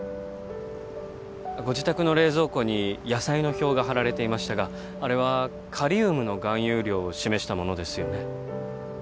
ご自宅の冷蔵庫に野菜の表が張られていましたがあれはカリウムの含有量を示したものですよね？